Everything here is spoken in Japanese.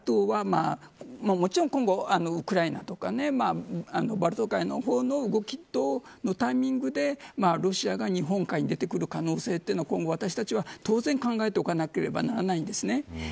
もちろん、今後ウクライナとかバルト海の方の動きとのタイミングでロシアが日本海に出てくる可能性というのは今後、私たちは当然考えておかなければいけません。